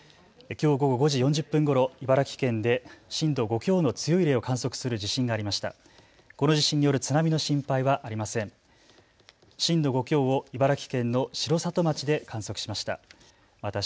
きょう午後５時４０分ごろ、茨城県で震度５強の強い揺れを観測する地震がありました。